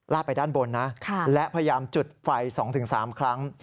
ไปด้านบนนะและพยายามจุดไฟ๒๓ครั้ง